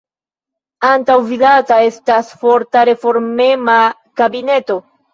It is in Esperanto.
Antaŭvidata estas forta, reformema kabineto.